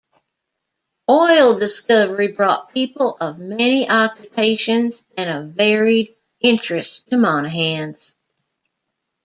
Oil discovery brought people of many occupations and of varied interests to Monahans.